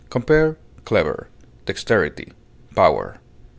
Compare CLEVER; DEXTERITY; POWER.